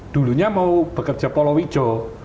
dulunya mau bekerja polo hijau